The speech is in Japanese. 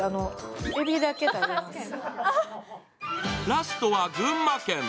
ラストは群馬県。